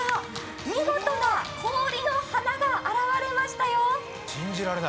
見事な氷の花が現れましたよ。